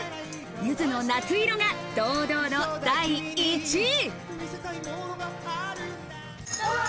ゆずの『夏色』が堂々の第１位。